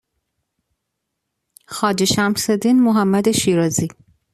خواجه شمسالدین محمد شیرازی